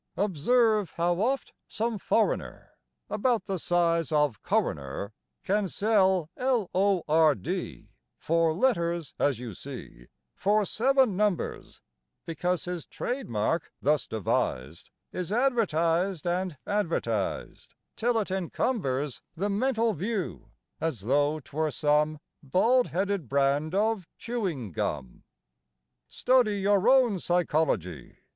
Observe how oft some foreigner, About the size of coroner, Can sell L O R D (Four letters, as you see,) For seven numbers, Because his trade mark, thus devised, Is advertised and advertised Till it encumbers The mental view, as though 't were some Bald headed brand of chewing gum. Study your own psychology!